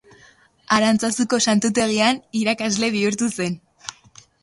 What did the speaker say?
Arantzazuko santutegian irakasle bihurtu zen.